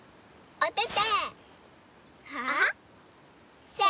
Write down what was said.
おてて！